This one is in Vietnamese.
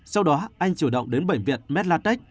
sau đó anh chủ động đến bệnh viện medlatech